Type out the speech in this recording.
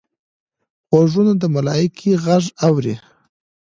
غوږونه د ملایکې غږ اوري